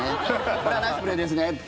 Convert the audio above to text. これはナイスプレーですねって。